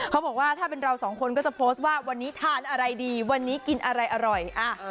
เขาบอกว่าถ้าเป็นเราสองคนก็จะโพสต์ว่าวันนี้ทานอะไรดีวันนี้กินอะไรอร่อย